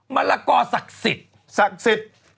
มะกอกศักดิ์สิทธิ์